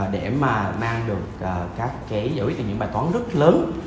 để mà mang được các cái giải quyết từ những bài toán rất lớn